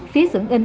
phía xưởng in